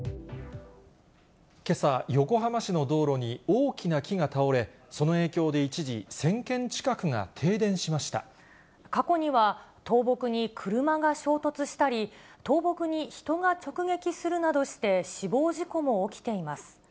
けさ、横浜市の道路に大きな木が倒れ、その影響で一時、過去には、倒木に車が衝突したり、倒木に人が直撃するなどして、死亡事故も起きています。